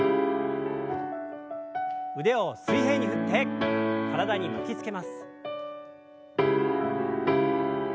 腕を水平に振って体に巻きつけます。